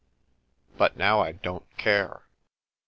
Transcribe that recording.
But now I don't care.